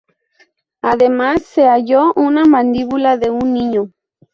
Además, se halló una mandíbula de un niño.